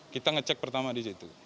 kita ngecek pertama di situ